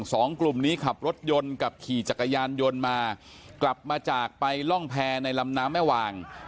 สองกลุ่มนี้ขับรถยนต์กับขี่จักรยานยนต์มากลับมาจากไปร่องแพรในลำน้ำแม่วาง